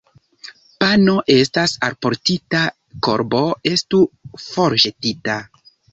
Pano estas alportita, korbo estu forĵetita.